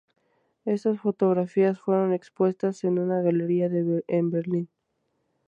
Estas fotografías fueron expuestas en una galería en Berlín.